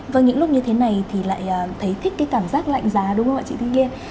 và những lúc như thế này thì lại thấy thích cái cảm giác lạnh giá đúng không ạ chị thị nghiên